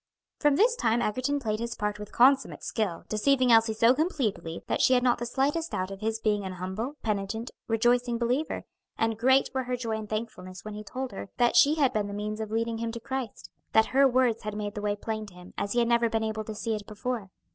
From this time Egerton played his part with consummate skill, deceiving Elsie so completely that she had not the slightest doubt of his being an humble, penitent, rejoicing believer; and great were her joy and thankfulness when he told her that she had been the means of leading him to Christ; that her words had made the way plain to him, as he had never been able to see it before.